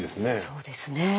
そうですね。